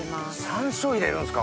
山椒入れるんですか？